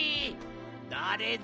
だれだ？